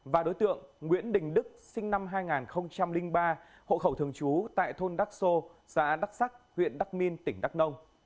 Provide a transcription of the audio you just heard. và đối tượng nguyễn đình đức sinh năm hai nghìn ba hộ khẩu thường trú tại thôn đắc sô xã đắc sắc huyện đắc minh tỉnh đắk nông